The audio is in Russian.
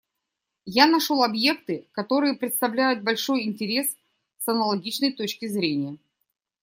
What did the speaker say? Я нашел объекты, которые представляют большой интерес с аналогичной точки зрения.